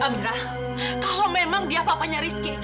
kalau memang dia papanya rizky